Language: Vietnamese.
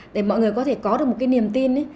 để mọi người có thể có được một cái niềm tin